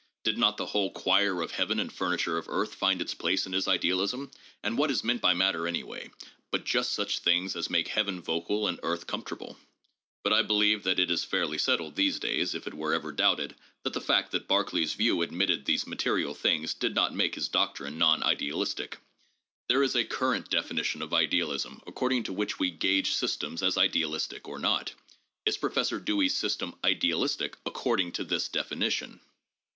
Did not the whole choir of heaven and furniture of earth find its place in his idealism, and what is meant by matter anyway but just such things as make heaven vocal and earth comfortable ? But I believe that it is fairly settled these days, if it were ever doubted, that the fact that Berkeley's views admitted these material things did not make his doctrine non idealistic. There is a current definition of idealism according to which we gauge systems as idealistic or not. Is Pro fessor Dewey's system idealistic according to this definition?